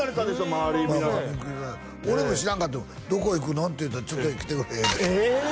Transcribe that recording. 周り皆さん俺も知らんかって「どこ行くの？」と言うと「ちょっと来てくれ」ってええ！